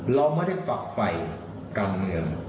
เราไม่ได้ฝักไฟการเมือง